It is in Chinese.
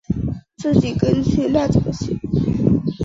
自己跟去那怎么行